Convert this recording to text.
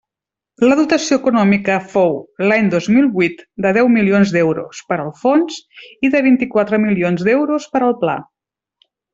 La dotació econòmica fou l'any dos mil huit de deu milions d'euros per al fons i de vint-i-quatre milions d'euros per al pla.